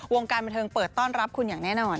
วงการบันเทิงเปิดต้อนรับคุณอย่างแน่นอน